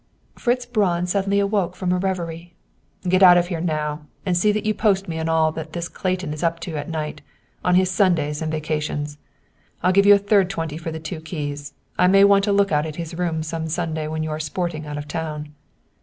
Fritz Braun suddenly awoke from a reverie. "Get out of here now, and see that you post me on all that this Clayton is up to at night, on his Sundays and vacations. I'll give you a third twenty for the two keys. I may want to take a look at his rooms some Sunday when you are sporting out of town.